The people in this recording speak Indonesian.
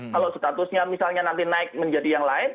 kalau statusnya misalnya nanti naik menjadi yang lain